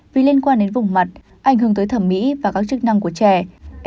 vì liên quan đến vùng mặt ảnh hưởng tới thẩm mỹ và các chức năng của trẻ